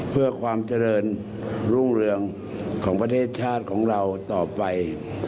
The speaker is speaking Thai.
เพื่อความเจริญรุ่งเรืองของประเทศชาติของเราต่อไป